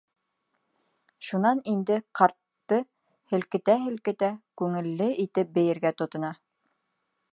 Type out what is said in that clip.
Шунан инде ҡартты һелкетә-һелкетә күңелле итеп бейергә тотона.